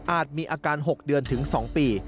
มีอาการ๖เดือนถึง๒ปี